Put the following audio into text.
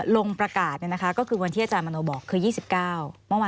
ลงประกาศก็คือวันที่อาจารย์มโนบอกคือ๒๙เมื่อวาน